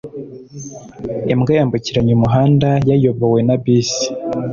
Imbwa yambukiranya umuhanda yayobowe na bisi.